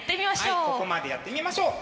はいここまでやってみましょう。